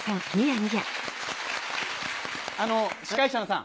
あの司会者さん。